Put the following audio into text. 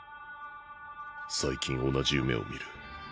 最近同じ夢を見る。